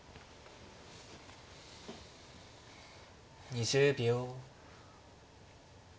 ２０秒。